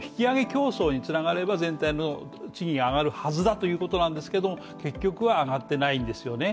競争につながれば全体の賃金が上がるはずだということなんですけども結局は、上がっていないんですよね。